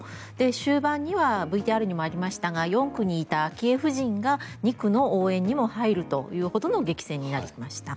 終盤にはＶＴＲにもありましたが４区にいた昭恵夫人が２区の応援にも入るというほどの激戦になりました。